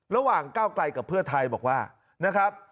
ระหว่างก้าวไกลกับเพื่อไทยบอกว่านะครับ